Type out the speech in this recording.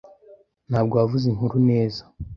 Ntabwo wavuze inkuru neza.